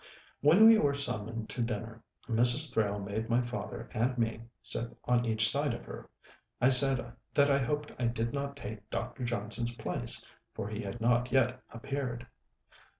When we were summoned to dinner, Mrs. Thrale made my father and me sit on each side of her. I said that I hoped I did not take Dr. Johnson's place; for he had not yet appeared.